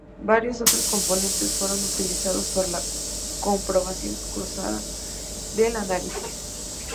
Varios otros componentes fueron utilizados para la comprobación cruzada del análisis.